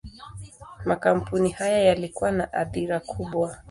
Makampuni haya yalikuwa na athira kubwa.